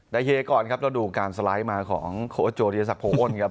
ได้เฮกก่อนครับแล้วดูการสไลด์มาของโคโจโดยสักโผ้นครับ